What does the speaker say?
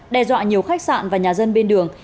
đe dọa nhiều khách sạn và nhà dân bên đường